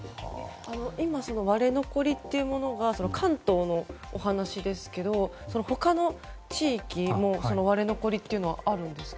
今、割れ残りというものが関東のお話ですけど他の地域も割れ残りってあるんですか。